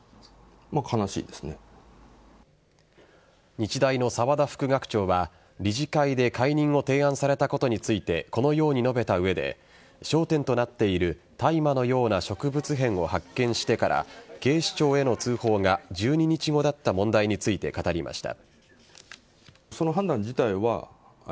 日大の沢田副学長は理事会で解任を提案されたことについてこのように述べた上で焦点となっている大麻のような植物片を発見してから警視庁への通報が１２日後だった問題について語りました。